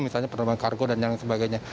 misalnya penerbangan kargo dan sebagainya